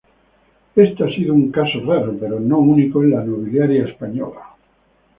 Esto ha sido un caso raro pero no único en la nobiliaria española.